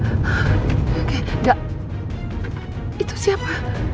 oke enggak itu siapa